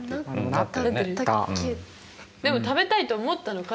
でも食べたいと思ったのか？